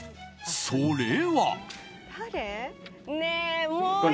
それは。